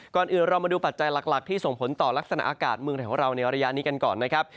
ก่อนอื่นเรามาดูปัจจัยหลักที่ส่งผลต่อลักษณะอากาศเมืองไทยของเราในระยะนี้กันก่อนนะครับ